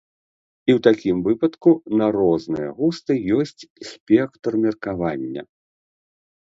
І ў такім выпадку на розныя густы ёсць спектр меркавання.